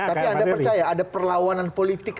tapi anda percaya ada perlawanan politik